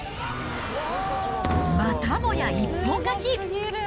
またもや一本勝ち。